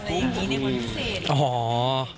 ไม่มีในวันพิเศษ